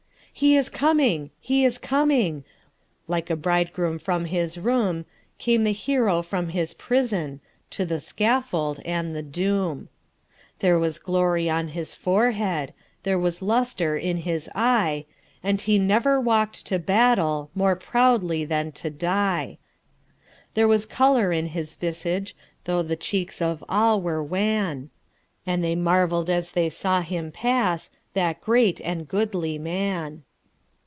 "He is coming! he is coming!"Like a bridegroom from his room, Came the hero from his prisonTo the scaffold and the doom. There was glory on his forehead, There was lustre in his eye, And he never walk'd to battleMore proudly than to die:There was color in his visage, Though the cheeks of all were wan, And they marvell'd as they saw him pass, That great and goodly man!